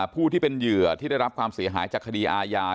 ผู้ที่เป็นเหยื่อที่ได้รับความเสียหายจากคดีอาญา